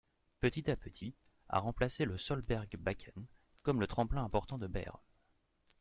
Petit à petit, à remplacer le Solbergbakken comme le tremplin important de Bærum.